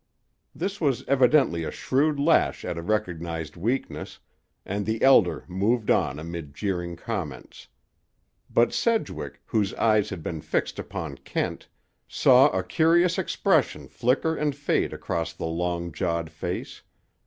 This was evidently a shrewd lash at a recognized weakness, and the Elder moved on amid jeering comments. But Sedgwick, whose eyes had been fixed upon Kent, saw a curious expression flicker and fade across the long jawed face.